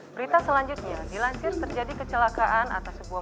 berita selanjutnya dilansir terjadi kecelakaan atas sebuah